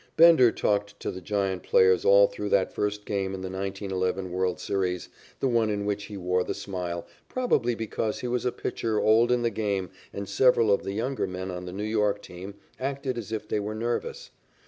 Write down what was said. Bender talked to the Giant players all through that first game in the 1911 world's series, the one in which he wore the smile, probably because he was a pitcher old in the game and several of the younger men on the New York team acted as if they were nervous.